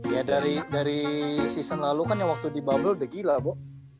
ya dari season lalu kan yang waktu di bubble udah gila bu